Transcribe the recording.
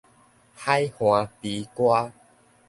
海岸悲歌